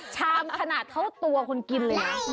ชามขนาดเท่าตัวคนกินเลยนะ